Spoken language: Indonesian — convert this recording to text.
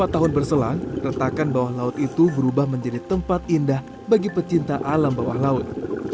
dua tahun berselang retakan bawah laut itu berubah menjadi tempat indah bagi pecinta alam bawah laut